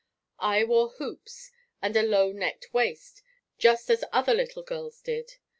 I wore hoops and a low necked waist just as other little girls did.